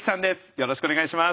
よろしくお願いします。